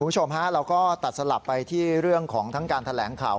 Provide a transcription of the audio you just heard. คุณผู้ชมฮะเราก็ตัดสลับไปที่เรื่องของทั้งการแถลงข่าว